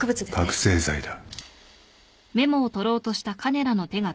覚醒剤だ。